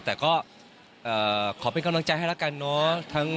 แต่ก็ขอเป็นกำลังใจให้แล้วกันเนอะ